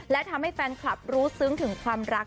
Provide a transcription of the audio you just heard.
และทำให้แฟนคลับรู้ซึ้งถึงความรัก